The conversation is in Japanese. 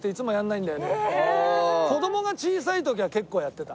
子供が小さい時は結構やってた。